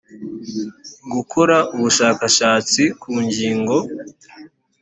gukora ubushakashatsi ku ngingo